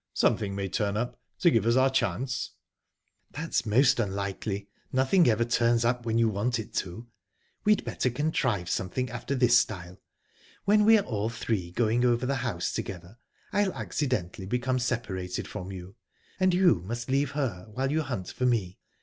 "Something may turn up, to give us our chance." "That's most unlikely nothing ever turns up when you want it to. We'd better contrive something after this style: while we are all three going over the house together, I'll accidentally become separated from you, and you must leave her while you hunt for me.